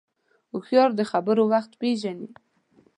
هوښیار د خبرو وخت پېژني